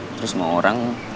terus mau orang